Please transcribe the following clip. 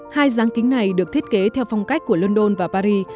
hai dáng kính này được thiết kế theo phong cách của london và paris